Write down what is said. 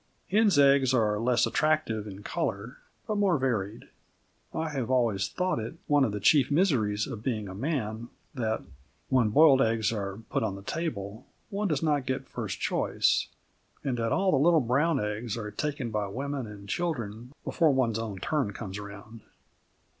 Hens' eggs are less attractive in colour, but more varied. I have always thought it one of the chief miseries of being a man that, when boiled eggs are put on the table, one does not get first choice, and that all the little brown eggs are taken by women and children before one's own turn comes round.